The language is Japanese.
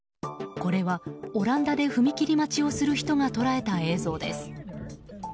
これは、オランダで踏切待ちをする人が捉えた映像です。